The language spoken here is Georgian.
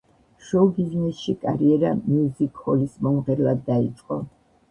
შოუ-ბიზნესში კარიერა მიუზიკ-ჰოლის მომღერლად დაიწყო.